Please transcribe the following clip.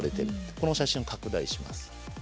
この写真を拡大します。